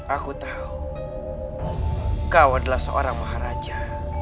aku tahu kau adalah seorang maharaja